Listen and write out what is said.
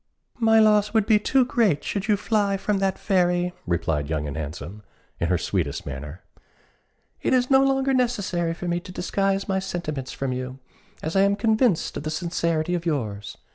"My loss would be too great should you fly from that fairy," replied Young and Handsome, in her sweetest manner. "It is no longer necessary for me to disguise my sentiments from you, as I am convinced of the sincerity of yours.